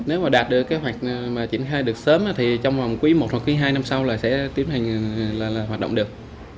nếu mà đạt được kế hoạch mà triển khai được sớm thì trong vòng quý một hoặc quý hai năm sau là sẽ tiếp hành hoạt động được